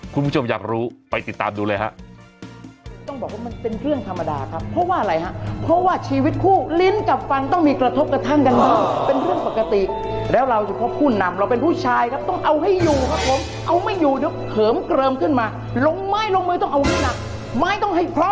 คุณผู้ชมอยากรู้ไปติดตามดูเลยฮะ